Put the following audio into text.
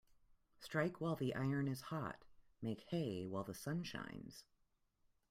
Strike while the iron is hot Make hay while the sun shines.